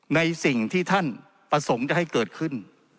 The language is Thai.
ในสิ่งที่ท่านประสงค์จะให้เกิดขึ้น